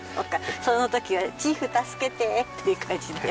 その時はチーフ助けてっていう感じで。